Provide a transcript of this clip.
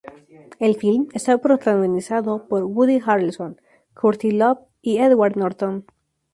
El film está protagonizado por Woody Harrelson, Courtney Love y Edward Norton.